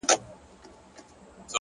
فکر روښانه وي نو پرېکړه ساده کېږي